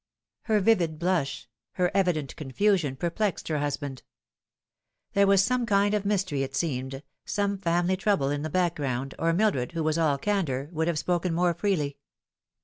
Her vivid blush, her evident confusion, perplexed her husband. The Face vn the Church. 79 There was some kind of mystery, it seemed some family trouble in the background, or Mildred, who was all candour, would have spoken more freely.